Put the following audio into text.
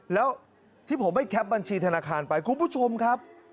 แล้วที่ผมให้แคปบัญชีธนาคารไปคุณผู้ชมครับ